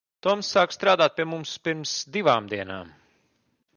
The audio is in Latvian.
Toms sāka strādāt pie mums pirms divām dienām.